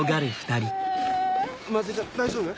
茉莉ちゃん大丈夫？